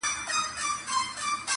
د زاهد به په خلوت کي اور په کور وي٫